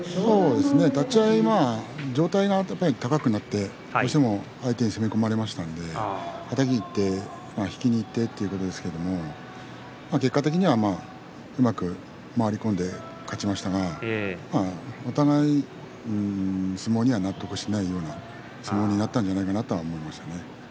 立ち合いは、上体が高くなってどうしても相手に攻め込まれましたのではたきにいって引きにいってということですけど結果的にはうまく回り込んで勝ちましたがお互い相撲には納得していないような相撲になったんじゃないかと思いますね。